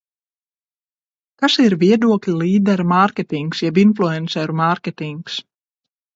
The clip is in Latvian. Kas ir viedokļa līdera mārketings jeb influenceru mārketings?